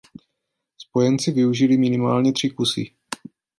Spojenci využili minimálně tři kusy.